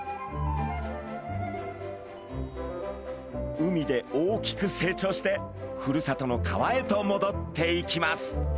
海で大きく成長してふるさとの川へともどっていきます。